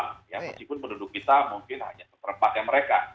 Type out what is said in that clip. meskipun penduduk kita mungkin hanya seperempat yang mereka